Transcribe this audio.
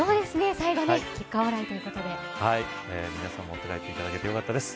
最後ね結果オーライということで皆さん持って帰って頂けてよかったです